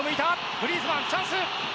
グリーズマン、チャンス。